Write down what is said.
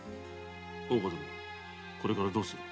大岡殿これからどうする？